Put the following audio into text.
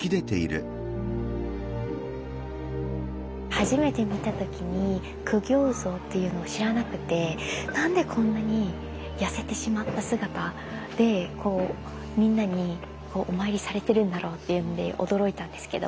初めて見た時に苦行像っていうのを知らなくて何でこんなに痩せてしまった姿でみんなにお参りされてるんだろうっていうので驚いたんですけども。